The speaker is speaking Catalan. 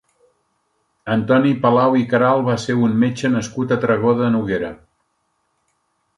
Antoni Palau i Queralt va ser un metge nascut a Tragó de Noguera.